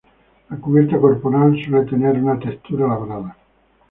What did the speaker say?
La cubierta corporal suele tener una textura labrada.